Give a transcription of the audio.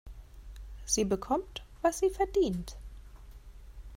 Sie bekommt, was sie verdient.